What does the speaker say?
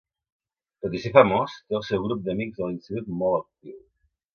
Tot i ser famós té el seu grup d'amics de l'institut molt actiu.